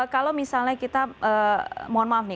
kalau misalnya kita mohon maaf nih